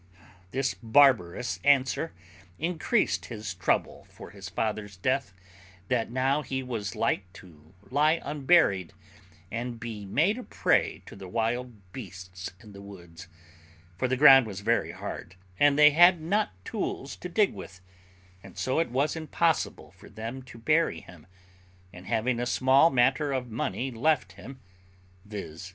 This barbarous answer increased his trouble for his father's death, that now he was like to lie unburied, and be made a prey to the wild beasts in the woods; for the ground was very hard, and they had not tools to dig with, and so it was impossible for them to bury him; and having a small matter of money left him, viz.